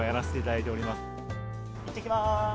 いってきます。